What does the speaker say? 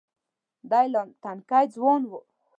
دی لا تنکی ځوان و.